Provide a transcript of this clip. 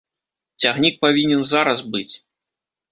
Цягнік павінен зараз быць!